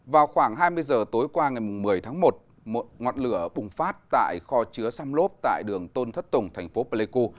vào khoảng hai mươi giờ tối qua ngày một mươi tháng một một ngọn lửa bùng phát tại kho chứa xăm lốp tại đường tôn thất tùng thành phố pleiku